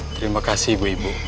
terima kasih ibu ibu